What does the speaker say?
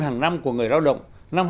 hàng năm của người lao động